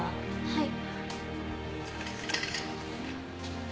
はい。